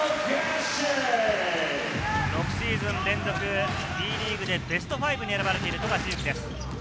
６シーズン連続Ｂリーグでベスト５に選ばれている富樫勇樹です。